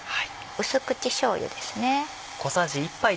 淡口しょうゆですね。